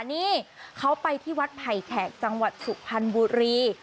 นี่เขาไปที่วัดไผ่แขกจังหวัดสุพรรณบุรี